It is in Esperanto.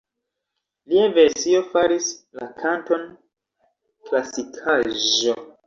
Lia versio faris la kanton klasikaĵo.